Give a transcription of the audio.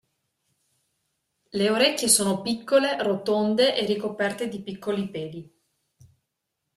Le orecchie sono piccole, rotonde e ricoperte di piccoli peli.